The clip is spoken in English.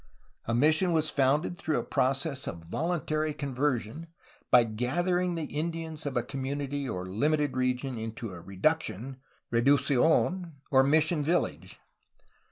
A mission was founded through a process of voluntary con version, by gathering the Indians of a community or Umited region into a ^ ^reduction'' (reduccidn), or mission village.